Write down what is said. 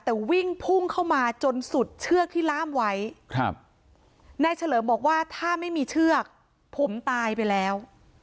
แต่วิ่งพุ่งเข้ามาจนสุดเชือกที่ล่ามไว้ครับนายเฉลิมบอกว่าถ้าไม่มีเชือกผมตายไปแล้ว